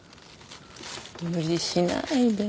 無理しないで。